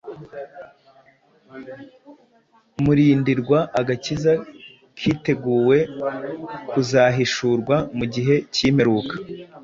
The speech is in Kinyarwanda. murindirwa agakiza kiteguwe kuzahishurwa mu gihe cy’imperuka.”